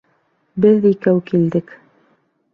Беҙ икәү килдек